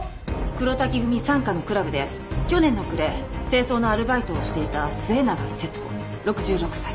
黒瀧組傘下のクラブで去年の暮れ清掃のアルバイトをしていた末永節子６６歳。